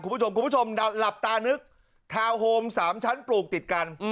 คุณผู้ชมคุณผู้ชมหลับตานึกทาวน์โฮม๓ชั้นปลูกติดกัน